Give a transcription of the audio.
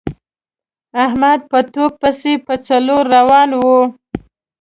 احمد په ټوک پسې په څلور روان وي.